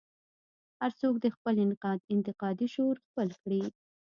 هر څوک دې خپل انتقادي شعور خپل کړي.